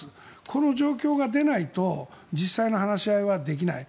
この状況が出ないと実際の話し合いはできない。